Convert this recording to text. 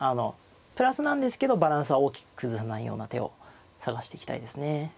プラスなんですけどバランスは大きく崩さないような手を探していきたいですね。